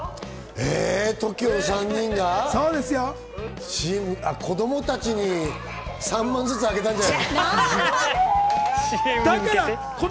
ＴＯＫＩＯの３人が子供たちに３万ずつあげたんじゃないの？